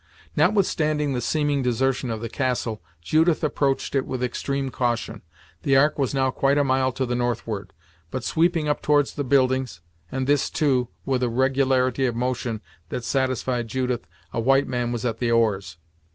Notwithstanding the seeming desertion of the castle, Judith approached it with extreme caution. The Ark was now quite a mile to the northward, but sweeping up towards the buildings, and this, too, with a regularity of motion that satisfied Judith a white man was at the oars.